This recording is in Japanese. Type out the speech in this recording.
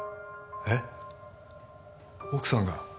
えっ奥さんが？